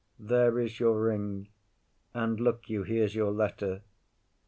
There is your ring, And, look you, here's your letter.